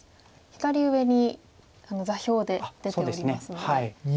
左上に座標で出ておりますので。